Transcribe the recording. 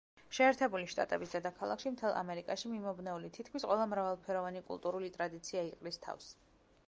შეერთებული შტატების დედაქალაქში მთელ ამერიკაში მიმობნეული თითქმის ყველა მრავალფეროვანი კულტურული ტრადიცია იყრის თავს.